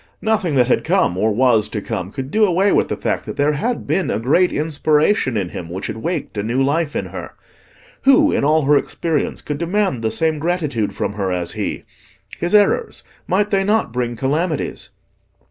Nothing that had come, or was to come, could do away with the fact that there had been a great inspiration in him which had waked a new life in her. Who, in all her experience, could demand the same gratitude from her as he? His errors—might they not bring calamities?